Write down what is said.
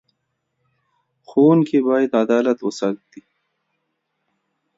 ښوونکي باید عدالت وساتي.